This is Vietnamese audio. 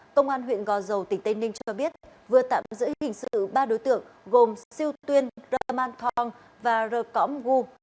công an huyện gò dầu tỉnh tây ninh cho biết vừa tạm giữ hình sự ba đối tượng gồm siêu tuyên raman thong và r kom gu